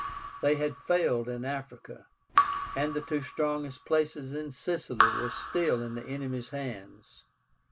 They had failed in Africa, and the two strongest places in Sicily were still in the enemy's hands.